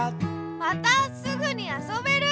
またすぐにあそべる！